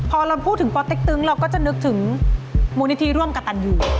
พอเราพูดถึงปเต็กตึงเราก็จะนึกถึงมูลนิธิร่วมกับตันอยู่